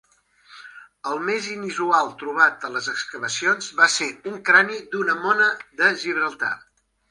El més inusual trobat a les excavacions va ser un crani d'una mona de Gibraltar.